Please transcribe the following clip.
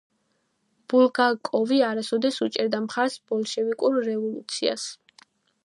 ბულგაკოვი არასოდეს უჭერდა მხარს ბოლშევიკურ რევოლუციას.